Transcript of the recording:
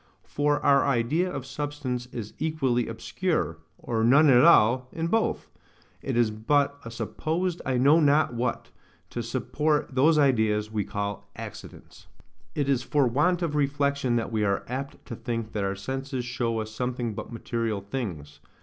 For our idea of substance is equally obscure, or none at all, in both: it is but a supposed I know not what, to support those ideas we call accidents. It is for want of reflection that we are apt to think that our senses show us nothing but material things.